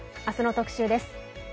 あすの特集です。